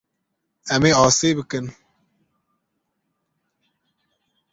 Em ê asê bikin.